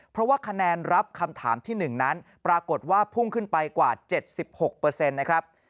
เพราะว่าคะแนนรับคำถามที่๑นั้นปรากฏว่าพุ่งขึ้นไปกว่า๗๖นะครับ